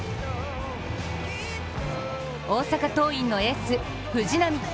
大阪桐蔭のエース・藤浪。